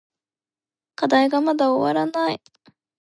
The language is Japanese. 課題がまだ終わらない。